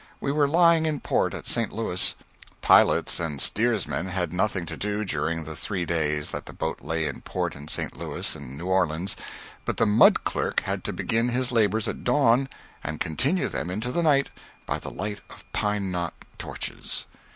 We were lying in port at St. Louis. Pilots and steersmen had nothing to do during the three days that the boat lay in port in St. Louis and New Orleans, but the mud clerk had to begin his labors at dawn and continue them into the night, by the light of pine knot torches.